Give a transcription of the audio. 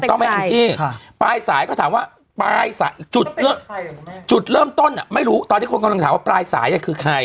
ข้อไหนเปล่าอีกค่ะพี่สายก็หาว่าปลายสายจุดเรือจูดเริ่มต้นหาไม่รู้ตัวอยู่ลงจอปลายสายคือใคร